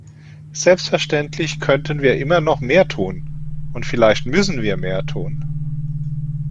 Selbstverständlich könnten wir immer noch mehr tun, und vielleicht müssen wir mehr tun.